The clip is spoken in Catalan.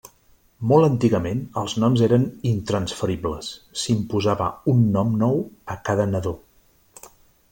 Molt antigament, els noms eren intransferibles: s'imposava un nom nou a cada nadó.